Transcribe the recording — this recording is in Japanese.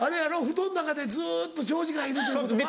布団の中でずっと長時間いるということか？